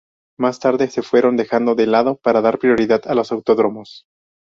Más tarde se fueron dejando de lado para dar prioridad a los autódromos.